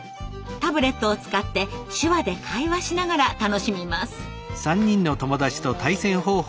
タブレットを使って手話で会話しながら楽しみます。